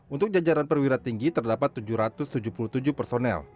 untuk jajaran perwira tinggi terdapat tujuh ratus tujuh puluh tujuh personel